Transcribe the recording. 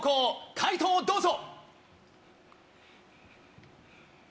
解答をどうぞ！